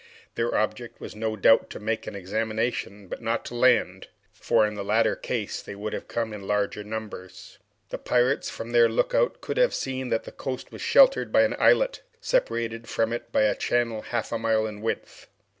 Their object was no doubt to make an examination but not to land, for in the latter case they would have come in larger numbers. The pirates from their look out could have seen that the coast was sheltered by an islet, separated from it by a channel half a mile in width.